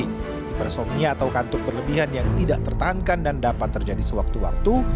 hipersomnia atau kantuk berlebihan yang tidak tertahankan dan dapat terjadi sewaktu waktu